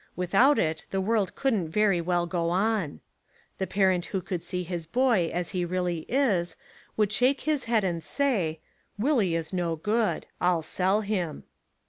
Without it the world couldn't very well go on. j86 The Lot of the Schoolmaster The parent who could see his boy as he really is, would shake his head and say: "Willie is no good; I'll sell him."